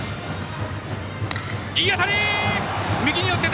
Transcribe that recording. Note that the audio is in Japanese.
いい当たり！